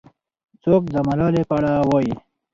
څوک د ملالۍ په اړه وایي؟